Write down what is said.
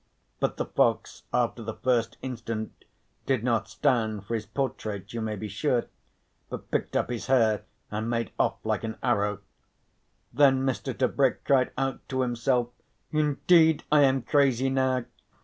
But the fox after the first instant did not stand for his portrait you may be sure, but picked up his hare and made off like an arrow. Then Mr. Tebrick cried out to himself: "Indeed I am crazy now!